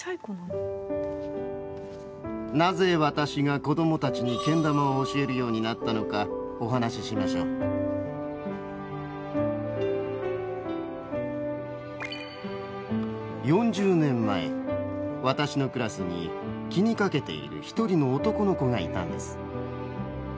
なぜ私が子どもたちにけん玉を教えるようになったのかお話ししましょう４０年前私のクラスに気にかけている一人の男の子がいたんです。